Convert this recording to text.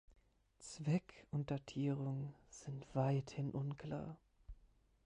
Zweck und Datierung sind weiterhin unklar.